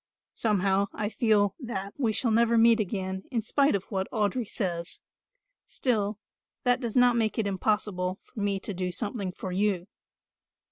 Somehow I feel that we shall never meet again in spite of what Audry says; still that does not make it impossible for me to do something for you.